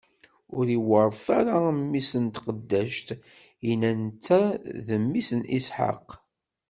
Ur iweṛṛet ara mmi-s n tqeddact-inna netta d mmi Isḥaq!